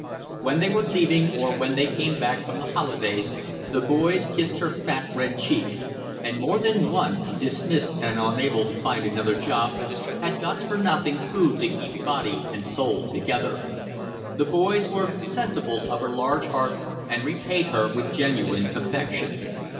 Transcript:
When they were leaving or when they came back from the holidays, the boys kissed her fat red cheek; and more than one, dismissed and unable to find another job, had got for nothing food to keep body and soul together. The boys were sensible of her large heart and repaid her with genuine affection.